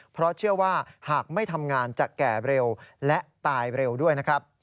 เพราะเชื่อว่าหากไม่ทำงานจะแก่เร็วและตายเร็วด้วยนะครับ